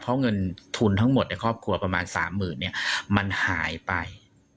เพราะเงินทุนทั้งหมดในครอบครัวประมาณ๓๐๐๐เนี่ยมันหายไป